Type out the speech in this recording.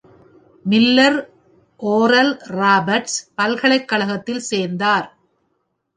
Miller Oral Roberts பல்கலைக்கழகத்தில்சேர்ந்தார்.